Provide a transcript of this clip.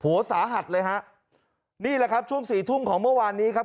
สาหัสเลยฮะนี่แหละครับช่วงสี่ทุ่มของเมื่อวานนี้ครับ